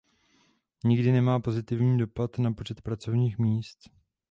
Nikdy nemá pozitivní dopad na počet pracovních míst.